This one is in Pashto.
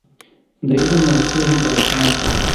د علم او پوهې داستان.